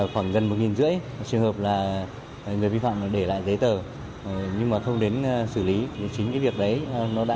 khoảng gần một năm trăm linh trường hợp là người vi phạm để lại giấy tờ nhưng mà không đến xử lý chính cái việc đấy nó đã gây ra một số khó khăn nhất định